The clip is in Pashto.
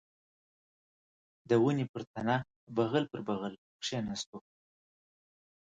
د ونې پر تنه بغل پر بغل کښېناستو.